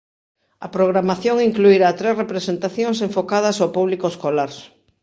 A programación incluirá tres representacións enfocadas ao público escolar.